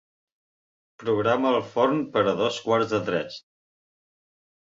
Programa el forn per a dos quarts de tres.